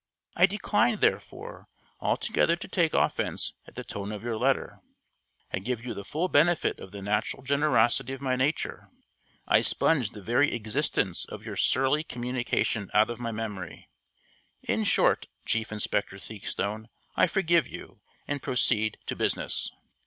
I decline, therefore, altogether to take offense at the tone of your letter; I give you the full benefit of the natural generosity of my nature; I sponge the very existence of your surly communication out of my memory in short, Chief Inspector Theakstone, I forgive you, and proceed to business.